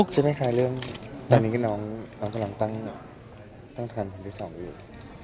ใช่ไหมค่ะเรื่องอันนี้ก็น้องน้องฝรั่งตั้งตั้งทันทีสองอีก